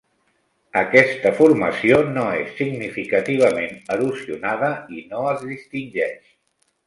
Aquesta formació no és significativament erosionada, i no es distingeix.